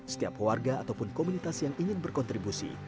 setiap warga ataupun komunitas yang ingin berkontribusi